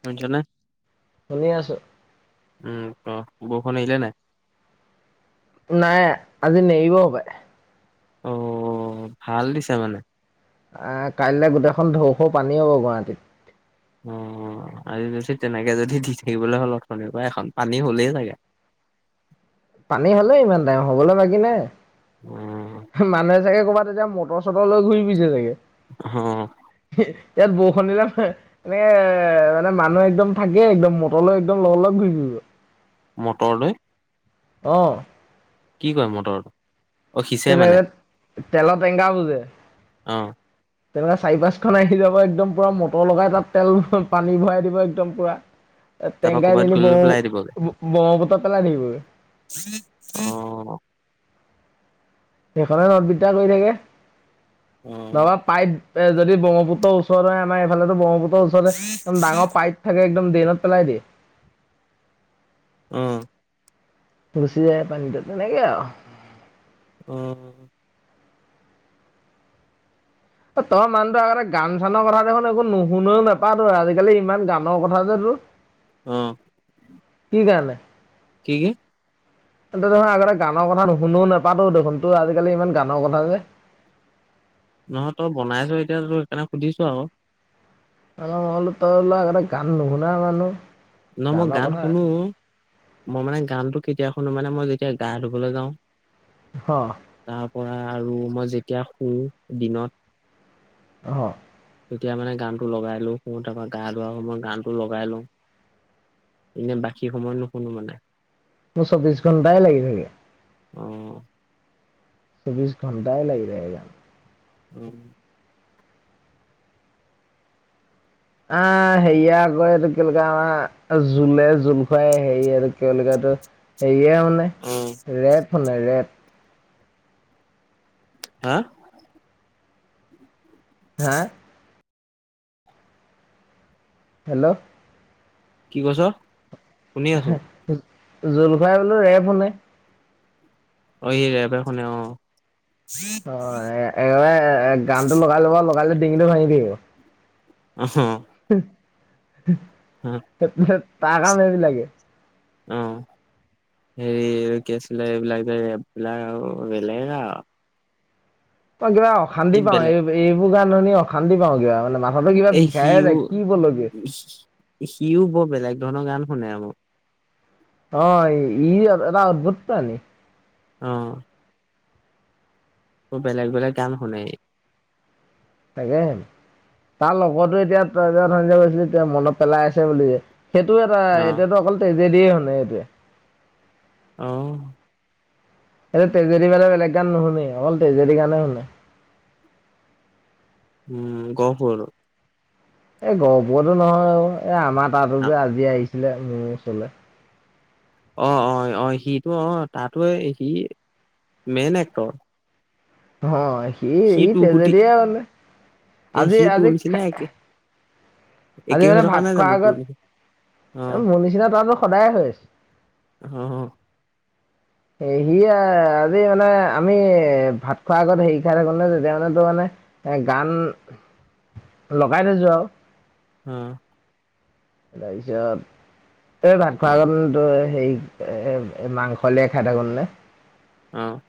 শুনিছানে? শুনি আছো। উম ত ক বৰষুণ এৰিলে নাই? নাই আজি নেৰিব সপাই অ ভাল দিছে মানে আহ কাইলৈ গোটেইখন ঢৌ খৌ পানী হ'ব গুৱাহাটীত অ আৰু তেনেকে যদি দি থাকিবলৈ হ'ল অথনিৰ পৰা এখন পানী হলেই চাগে। [inaudible] পানী হলেই ইমান টাইম হবলৈ বাকী নাই উম মানুহে চাগে ক'ৰবাত তেতিয়া মটৰ চটৰ লৈ ঘূৰি ফুৰিছে চাগে আহ ইয়াত বৰষুণ দিলে এনেকে এ মানে মানুহ একদম থাকে একদম মটৰলৈ একদম লগৰ লগ ঘু উ মটৰলৈ আহ কি কয় মটৰ তেনেকে তেলৰ টেঙংকাটো যে অ'। তেনেকুৱা চাৰি পাঁচখন আহি যাব একদম পুৰা মটৰ লগাই তাত তেল পানী ভৰাই দিব একদম পুৰা তাৰপা তেংকাই ক'ৰবাত দি ব গ'লে পেলাই দিবগে। ব্ৰহ্মপুত্ৰত পেলাই থাকিব অ সেইখনে নদ বিদ্যা কৰি থাকে অ' নহবা পাইপ এ যদি ব্ৰহ্মপুত্ৰ ওচৰ হয় আমাৰ এইফালেতো ব্ৰহ্মপুত্ৰৰওচতে একদম ডাঙৰ পাইপ থাকে [unintelligible] দিনত পেলাই দিয়ে। আহ। গুচি যায় পানীটো তেনেকে আৰু। উম! তই মানুহটো আগতে গান-চানৰ কথা দেখোন, একো নুশুনেও, নেপাত‌ই আজিকালি ইমান গানৰ কথা যে তোৰ? অঁ! কি কাৰণে? কি-কি? ত‌ই দেখোন আগতে গানৰ কথা নোশুনও, নাপাত‌ও দেখোন, তো আজিকালি ইমান গানৰ কথা যে? নহয় তই বনাইছ এতিয়াটো সেইকাৰণে সুধিছো আৰু। ত‌ই বোলা আগতে গান নোশুনাই মানুহ নহয় মই গানৰ গান কথা শুনো মই মানে গানটো কেতিয়া শুনো মানে, মই যেতিয়া গা ধুবলৈ যাওঁ হ তাৰপৰা আৰু মই যেতিয়া শু দিনত। অহ! তেতিয়া মানে গানটো লগাই লৈ শুওঁ, তাৰপৰা গা ধোৱাৰ সময়ত গানটো লগাই লওঁ। এনে বাকী সময়ত নোশুনো মানে। মোৰ চৌবিশ ঘণ্টাই লাগি থাকে। অহ! চৌবিশ ঘণ্টাই লাগি থাকে গান। উম! আহ সেয়া আকৌ এইটো কি বুলি কয় আমাৰ, জোলে-জোল খুৱাই হেৰি আৰু কি বুলি কয় টো হেৰিয়ে মানে ৰেব শুনে ৰেব। হা! হা! হেল্ল'! কি কৈছ? শুনি আছো জোল খুৱাই বোলো ৰেব শুনে। অঁ সি ৰেবে শুনে অঁ। অ ৰে ৰে গানটো লগাই লব লগাই ডিঙিটো ভাঙি থাকিব। ওমহো হে তাৰ কাম এইবিলাকেই। অহ। হেৰি কি আছিলে এইবিলাক, ৰেববিলাক আও বেলেগ আও। মই কিবা অশান্তি পাওঁ, এই-এইবোৰ গান শুনি অশান্তি পাওঁ কিবা মানে মই এ সিও সি-সিও বৰ বেলেগ ধৰণৰ গান শুনে আক অঁ ই এটা অদ্ভুত প্ৰাণী। অহ। বৰ বেলেগ-বেলেগ গান শুনে ই। তাকে তাৰ লগতো এতিয়া ত‌ই যে অথনি কৈছিলি মনত পেলাই আছে বুলি যে সেইটো এটা অ এতিয়াতো অকল তেজেদিয়েই শুনে সেইটোৱে। অহ সেইটো তেজেদি বাদে বেলেগ গান নুশুনেই, অকল তেজেদি গানে শুনে। উম গহপুৰটো? এ গহপুৰৰটো নহয় আৰু এ আমাৰ তাতো যে আজি আহিছিলে মোৰ ওচলে। অ-অ-অ সিটো, অ তাতো সি মেইন এক্টৰ। অহ সি ই তোৰ সুতি তেজেদিয়ে জানে, আজি-আজি কা একেই হৈ থকা নাই জানো তোৰ লিখিয়া এ, অহ! মোৰ নিচিনা তাতো সদায় হৈ আছে অহ এ সি এ আজি মানে আমি এ ভাত খোৱাৰ আগত হেৰি খাই থাকো ন তেতিয়া মানেতো মানে এ গান লগাই থৈছো আও হম তাপিছত এই ভাত খোৱা আগত দ হেই এ এ মাংস লিয়ে খাই থাকোন নে উম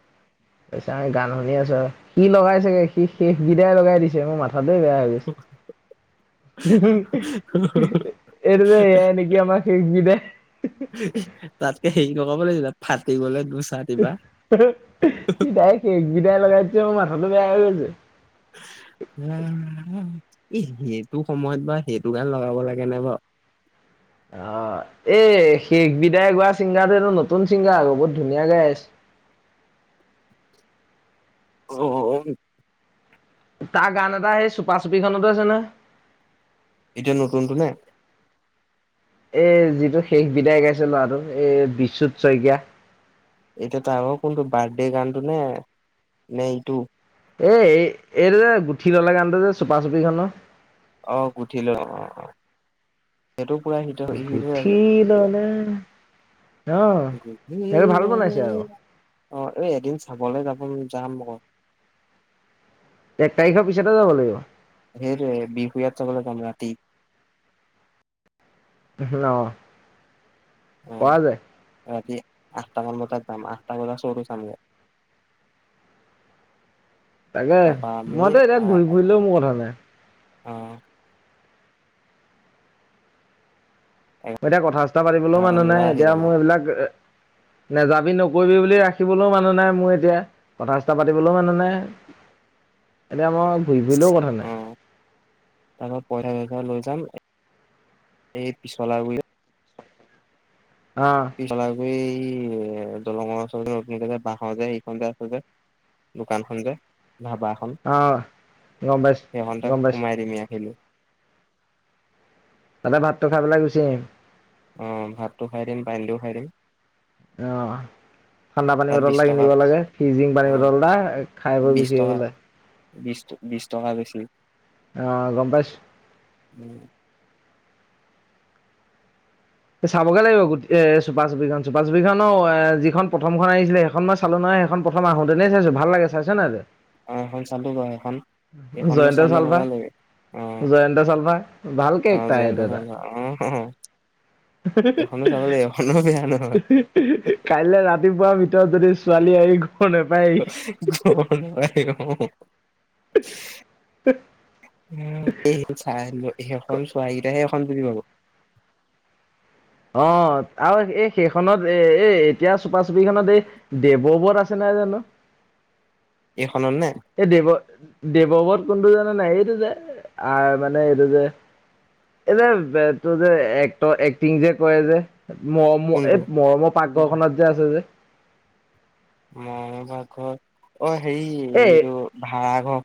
পেছাই গান শুনি আছো আও কি লগাই চাগে কি শেষ বিদাই লগাই দিছে অ মা থাটোয়ে বেয়া হৈ গৈছে এটোজে এনেকি আমা শেষ বিদায় তাতকে হেৰি নকব লাগিছিল ফাটিবলে পিতাই কেক বিদাই লগাই দিছে মোৰ মাথাটো বেয়া হৈ গৈছে উম [unintelligible] ইহ সেইটো সময়ত বা সেইটো গান লগাব লাগে নে বাও অ এই শেষ বিদায় গোৱা ছিংগাৰটো এইটো নতুন চিংগাৰ আকৌ বহুত ধুনীয়া গাই আছ [unintelligible] [inaudible] অ অ তাৰ গান এটা সেই চুপা চুপিখনতো আছে নহয় এতিয়া নতুনটো নে এই যিটো শেষ বিদায় গাইছে ল'ৰাটো এই বিচুত শইকীয়া [unintelligible] এতিয়া তাৰ আৰু কোনটো বাৰ্থডে গানটো নে নে এইটো [unintelligible] এ এই এইটো যে গুঠি ললে গানটো যে চুপা চুপি খনৰ অহ গুঠিলো অ অ সেইটো পুৰা হিত হিত হৈ আছে গুঠি এয়া ললে অ গুঠি সেইটো ভাল ললে বনাইছে আকৌ অ এই এদিন চাবলৈ যাব যাম আকৌ এক তাৰিখৰ পিছতে যাব লাগিব সেইটোৱে বিহু ইয়াত চাবলৈ যাম ৰাতি নহ অ ৰাতি আঠটামান বজাত যাম আঠটা বজাত চউটো চামগে [unintelligible] তাকে তাৰপা আমি মইতো এতিয়া ঘূৰি ফুৰিলেও মোৰ কথা নাই অ এতিয়া কথা চথা পাতিবলৈও এঘাৰটামান মানুহ নাই বজাত আহি এতিয়া যাম আৰু মোৰ এইবিলাক [inaudible] নেযাবি নকৰিবি বুলি ৰাখিবলৈও মানুহ নাই মোৰ এতিয়া কথা চথা পাতিবলৈও মানু্হ নাই [unintelligible] এতিয়া মই ঘূৰি ফুৰিলেও কথা নাই তাৰপা পইচা চইচা লৈ যাম এই পিছলা বু [unintelligible] অ পিছলা গুই এই এ দলঙৰ ওচৰ নতুনকে যে বাহৰ যে এইখন যে আছে যে দোকান খন যে ধাবাখন অ গম পাইছো সেইখন তে গম পাইছো সোমাই দিম ইয়াখেলি [unintelligible] তাতে ভাতটো খাই পেলাই গুচি আহিম অ ভাতটো খাই দিম পানী দিও খাই দিম আহ ঠাণ্ডা পানী তাত বটল বিশ এটা টকা কিনিব লাগে ফিজিং পানী অ বটল এটা খাই বৈ গুছি আহিব লাগে বিছ বিছ টকা বেছি [unintelligible] আহ গম পাইছ উম চাবগে লাগিব গোট এ চুপাচুপি খন চুপা চুপি খনও এ যিখন প্ৰথমখন আহিছিলে সেইখন মই চালো নহ [unintelligible] সেইখন প্ৰথম আহোতে নেই চাইছো ভাল লাগে চাইছ নাই তই অ এখন চালো ব সেইখন এইখনো জয়ন্ত চাই লও চালভা মজা লাগে অ জয়ন্ত চলমা ভালকে একটা আহ এইটো এটা হ বেয়া নহয় কাইলে ৰাতিপুৱা ভিতৰত যদি ছোৱালী আহ ক অ [unintelligible] এই চাই সেইখন চোৱা কিটাহে [unintelligible] খন্তুলি পাব [unintelligible] অ আৰু এই সেইখনত এ এ এতিয়া চুপা চুপি খন এই দেৱবত আছে ন ন জানো [inaudible] এইখনত নে এই দেৱ দেৱৱত কোনটো জানে নাই এইটো যে আহ মানে এইটো যে এই যে তোৰ যে এক এক্টিং যে কৰে যে মৰম কোনটো এই মৰমৰ পাকঘৰখনত যে আছে যে মইপাকঘৰ অ হেৰি এ এইটো ভাড়াঘৰ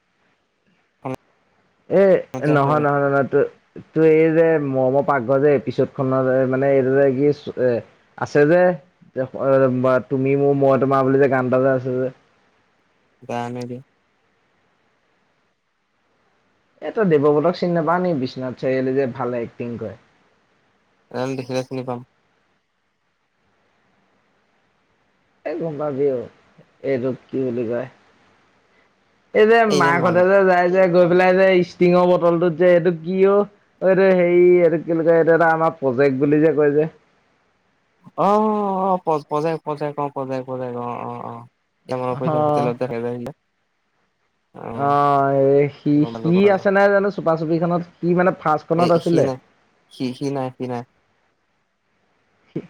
এ যে আছে নহয় যে নহয় নহয় নহয় ত তোৰ এই যে ম পাকঘৰ যে এপিচদ খনৰ মানে এইদৰে কি এ আছে যে তুমি মোৰ মই তোমাৰ বুলি যে গান এটা যে আছে যে বানে দ [unintelligible] এইটো দেৱবতক চিন নাপা নি বিশ্বনাথ চাৰিআলি যে ভালে এক্টিং কৰে এম দেখিলে চিনি পাম এই গম পাবিও এইটোত কি বুলি কয় এই যে এনে মাকতে মানুহ যে যায় যে গৈ পেলাই যে ষ্টিঙৰ বটলটোত যে এইটো কিয় এইটো হেৰি এইটো কিয় এইটো এটা আমাৰ বেগ বুলি যে কয় যে অ অ পজ পজ অ পজেক পজ অ অ অ [unintelligible] এতিয়া অ পইচা হোটেলত দেখাই আহিলে অ আহ এই সি সি আছে নাই জানো চুপা চুপিখনত সি মানে ফাৰ্ষ্ট এ সি খনতআছিলে নাই সি সি নাই সি নাই হু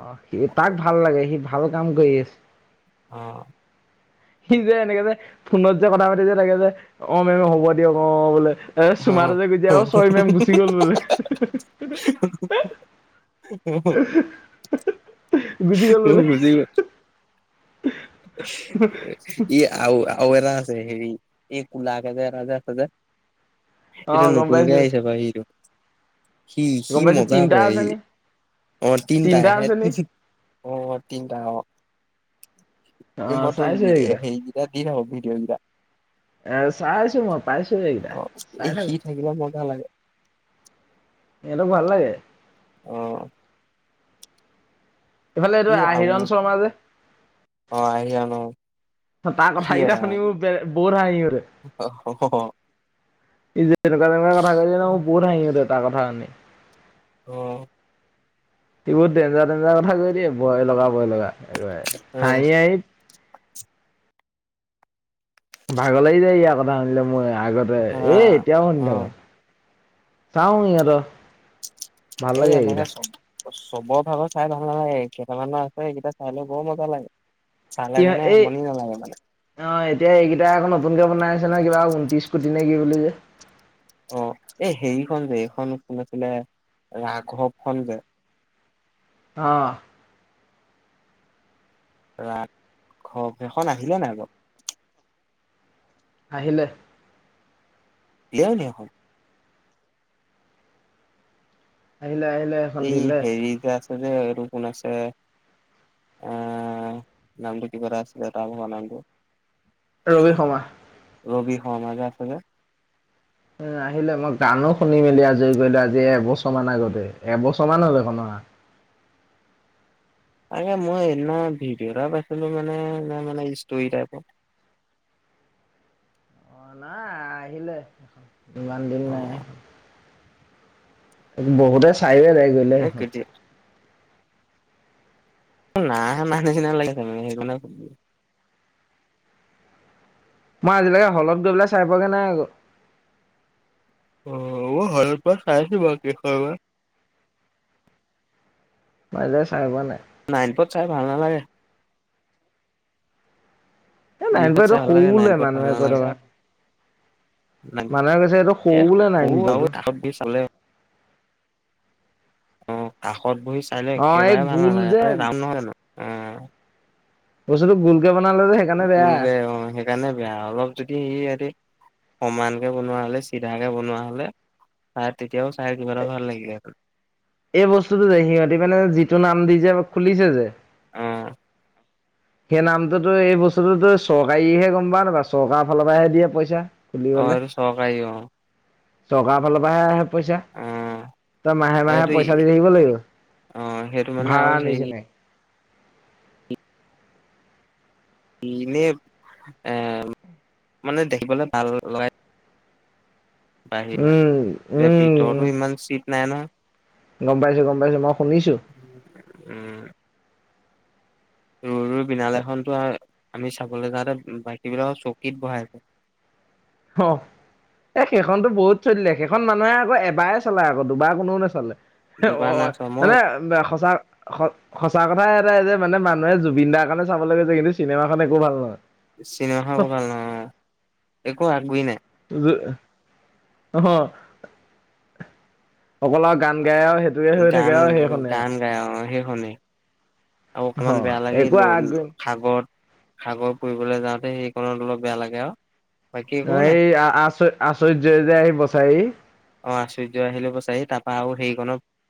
অ সি তাক ভাল লাগে সি ভাল কাম কৰি আছে অ সি যে এনেকে যে ফোনত যে কথা পাতি যে তাকে যে অ মেম হ'ব দিয়ক অ বোলে এ অ চুমাৰতে গৈতিয়া অ চই মেম গুচি গ'ল বোলে হুম হুম গুচি গ'ল অ বোলে বুজি লো ই আ আৰু এটা আছে হেৰি এই কোলাকে যে এটা যে আছে যে অ এইটো গম নতুনকে পাইছো আহিছো বা সেইটো সি সি গম পাইছো মজা তিনটা কৰে আছে সি নি অ তিনটা তিনিটাই আছে নি অ তিনিটা আহ অ ই বটৰ চাইছো এইকেইটা হেই গ দিয় হ ভিডিঅ গৰা [unintelligible] এ চাইছো মই পাইছোসেই কেইটা অ চাই এই সি থাকো থাকিলে মজা লাগে এইটো ভাল লাগে অ এইফালে এইটো এই আৰু আহিৰণ শৰ্মা যে অ আহিয়া ন তাৰ সি কথা কেইটা এটা শুনি মই বে বহুত হাঁহি হল অ হু ই যে এনেকুৱা তেনেক কথা কৈ দি মোৰ বহুত হাঁহিতে তাৰ কথা শুননি অহ সি বহুত ডেঞ্জাৰ ডেঞ্জাৰ কথা কৈ দে ভয় লগা বয় লগা অ [unintelligible] [unintelligible] ভাগ লাগি যায় ইয়াৰ কথা শুনিলে মই আগতে এ এতিয়াও শুনি থাকো। চাওঁ ইহঁতৰ এ এনেকা চব চবৰ ভালৰ চাই ভাল নালাগে কেইটামানো আছে সকেইটা চাই লৈ বৰ মজা লাগে। চালে কিহ মানে এই আমনি নালাগে মানে অ এতিয়া এইকেইটাই আকৌ নতুনকে বনাই নতুন কৈ কিবা ঊনত্ৰিশ কোটি নে কি বুলি যে। অ এই সেইখন যে এইখন কোন আছিলে ৰাঘৱ খন যে। অ ৰাঘৱ সেইখন আহিলে নাই বাও। আহিলে। [unintelligible] আহিলে আহিলে এখন এই দিলে হেৰি যে আছে যে আৰু কোন আছে। আহ নাম কিবা এটা আছিল তা ভাগৰ নামটো। ৰবি শৰ্মা। অ মাজা আছে বে। উ আহিলে মই গানো শুনি মেলি আজৰি কৰিলো। আজি এবছৰ মান আগতে এবছৰ মান হল সেইখন অহা আ তাকে মই সেইদিনা ভিডিঅ' এটা পাইছিলো মানে মানে স্তৰী টাইপ। [inaudible] অ নাই আহিলে ইমান দিন অ নাই। বহুতে চাইয়ে এদাই কৰিলে এই সেইখন। কেতিয়া নাই অহা নিচিনা লাগেছে সেইটো কাৰণে শুধিলো। মই আজিলৈকে হলত গৈ পেলাই চাই পোৱা গে নাই আকৌ। অ হল পৰা চাইছোঁ বাও কেইখন মান। মই আজিলৈকে চাই পোৱা নাই। নাই পত চাই ভাল নালাগে। এ বিহত চাই নাইপতটো ভাল সৰু লাগে নাইন বোলে মানুহে কৈ থকা- ন মানুহে কৈছে এইটো এ বোলে সৰু নাৰায়ণপুৰটো আৰু কাষত বি চালে অ কাষত বহি চাই লৈ অ এই একেবাৰে ভাল গোল নালাগে যে ত ৰাউণ্ড নহয় জানো অ। বচটোটো গোল গোলকে অ সেইকাৰণে বেয়া অলপ যদি সি সিহঁতি সমান কে বনোৱা হলে চিধা কে বনোৱা হলে চাই ঠিক এই বস্তুটো যে সিহঁতি মানে যিটো নাম দি যে খুলিছে যে অ সেই নামটোতো এই বস্তুটোতো চৰকাৰীহে গম পাও নাপাওঁ চৰকাৰ ফালৰ পৰাহে দিয়ে পইচা। অ খুলিবলে চৰকাৰী অ। চৰকাৰৰ ফালৰ পৰাহে আহে পইচা। অ তই মাহে মাহে এইটো পইচা দি থাকিব লাগিব অ সেইটো মানে আৰু ভাড়া হেৰি নিচিনাকে। ইনেই এ মানে দেখিবলে ভাল লগাই। বাহিৰত উম এতিয়া উম ভিতৰটো ইমান চিট নাই নহয়। গম পাইছো গম পাইছো মই শুনিছো। উম ৰৈ ৰৈ বিনালেখন ত আৰ আমি চাবলৈ যাওঁতে বাকীবিলাক চকীত বহাই আছে। হ এ সেইখনতো বহুত চলিলে সেইখন মানুহে আকৌ এবাৰে চলায় আকৌ দুবাৰ কোনেও নেচালে। দুবাৰ অ নাইচোৱা মই মানে সঁচা। সঁচা কথাই এটাই যে মানে মানুহে জুবিন দাৰ কাৰণে চাবলৈ গৈছে কিন্তু চিনেমাখন একো ভাল নহয়। চিনেমাখন একো ভাল নহয় অ, একো আগ গুই নাই। অকল আও গান। গাই আৰু সেইটোকে হৈ থাকে গান আৰু সেইখনে আও। গান গাই অ সেই শুনি আৰু অকমান বেয়া লাগিল সাগৰত। সাগৰত ফুৰিবলৈ যাওঁতে সেইখনণত অলপ বেয়া লাগে আৰু। বাকী একো নাই এই আচ আচ্চৰ্য যে আহি বচায়হি। অ আচ্চুৰ্য আহিলো বচাহি তাৰপা আৰু হেৰি ক নো